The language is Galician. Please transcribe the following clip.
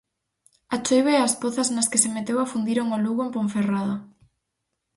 A choiva e as pozas nas que se meteu afundiron ó Lugo en Ponferrada.